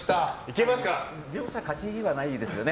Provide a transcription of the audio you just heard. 両者勝ちはないですよね。